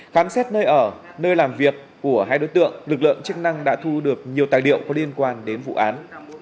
khám xét nơi ở nơi làm việc của hai đối tượng lực lượng chức năng đã thu được nhiều tài liệu có liên quan đến vụ án